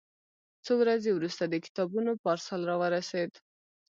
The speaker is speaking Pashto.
څو ورځې وروسته د کتابونو پارسل راورسېد.